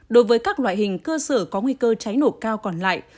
đối với các loại hình cơ sở có nguy cơ cháy nổ cao còn lại